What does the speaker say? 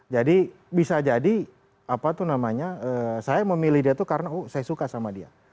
jadi bisa jadi apa itu namanya saya memilih dia itu karena saya suka sama dia